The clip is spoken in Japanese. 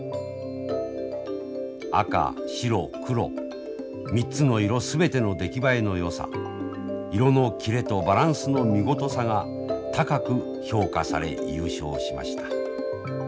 赤白黒３つの色全ての出来栄えのよさ色の切れとバランスの見事さが高く評価され優勝しました。